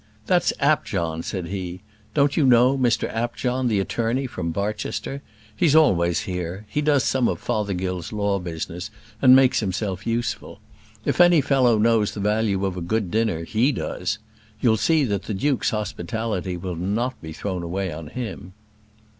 "That's Apjohn," said he: "don't you know, Mr Apjohn, the attorney from Barchester? he's always here; he does some of Fothergill's law business, and makes himself useful. If any fellow knows the value of a good dinner, he does. You'll see that the duke's hospitality will not be thrown away on him."